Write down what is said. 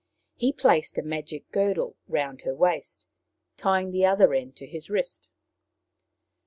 He placed a magic girdle round her waist, tying the other end to his wrist.